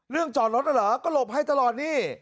เรื่องจอดรถอ่ะเหรอก็หลบให้ตลอดนี่